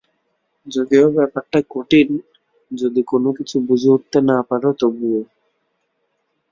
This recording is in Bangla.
যদিও ব্যাপারটা কঠিন, যদি কোনোকিছু বুঝে উঠতে না পারো, তবুও।